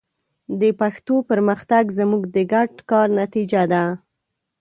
د پښتو پرمختګ زموږ د ګډ کار نتیجه ده.